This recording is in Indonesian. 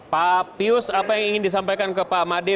pak pius apa yang ingin disampaikan ke pak made